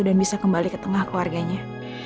dan bisa kembali ke tengah keluarganya